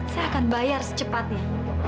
saya akan bayar secepatnya